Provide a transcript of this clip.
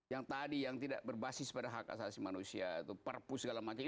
yang tadi yang tidak berbasis pada hak asasi manusia itu perpu segala macam